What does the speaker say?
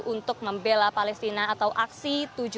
untuk membela palestina atau aksi